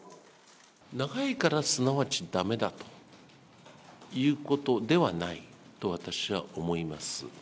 長いからすなわちだめだということではないと私は思います。